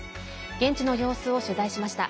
現地の様子を取材しました。